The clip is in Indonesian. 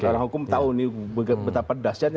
tau tau orang hukum tahu nih betapa dasarnya